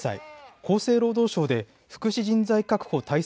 厚生労働省で福祉人材確保対策